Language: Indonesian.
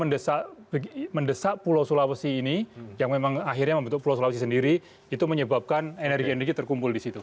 dan mendesak pulau sulawesi ini yang memang akhirnya membentuk pulau sulawesi sendiri itu menyebabkan energi energi terkumpul di situ